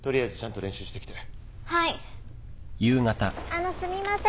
あのすみません。